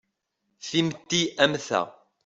Timetti am ta.